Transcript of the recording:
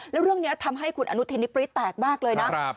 และเรื่องนี้ทำให้คุณอนุทิณฟิริสแตกมากเลยนะ